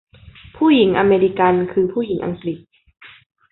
ผู้หญิงอเมริกันคือผู้หญิงอังกฤษ